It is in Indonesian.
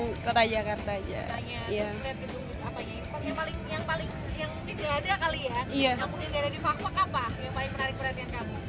yang mungkin gak ada di fakfak apa yang paling menarik perhatian kamu